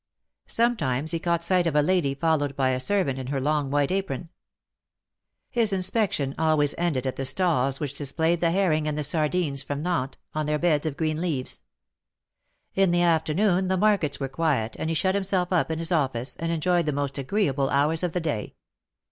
Sometimes he caught sight of a lady followed by a servant in her long white apron. His inspection always ended at the stalls which dis played the herring and the sardines from Nantes, on their beds of green leaves. In the afternoon the markets were quiet, and he shut himself up in his office, and enjoyed the most agreeable hours of the day.